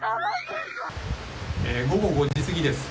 午後５時過ぎです。